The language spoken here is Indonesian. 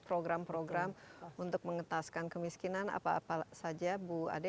program program untuk mengetaskan kemiskinan apa apa saja bu ade